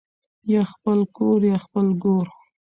ـ يا خپل کور يا خپل ګور.